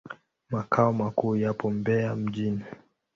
Makao makuu yapo Mbeya mjini.